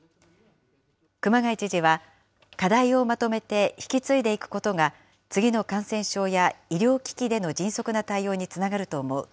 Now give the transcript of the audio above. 熊谷知事は、課題をまとめて引き継いでいくことが、次の感染症や医療危機での迅速な対応につながると思う。